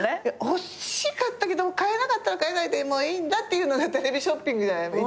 欲しかったけど買えなかったら買えないでもういいんだっていうのがテレビショッピングじゃない。